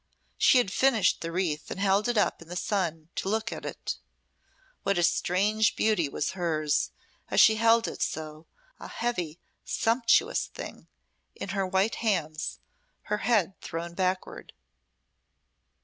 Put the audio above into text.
She had finished the wreath, and held it up in the sun to look at it. What a strange beauty was hers, as she held it so a heavy, sumptuous thing in her white hands, her head thrown backward.